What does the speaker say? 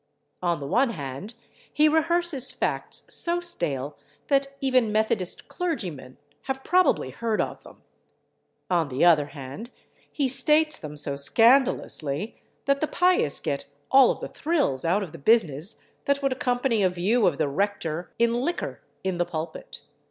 On the one hand he rehearses facts so stale that even Methodist clergymen have probably heard of them; on the other hand he states them so scandalously that the pious get all of the thrills out of the business that would accompany a view of the rector in liquor in the pulpit.